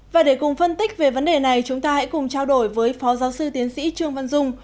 và để cùng phân tích về vấn đề này chúng ta hãy cùng trao đổi với phó giáo sư tiến sĩ trương văn dung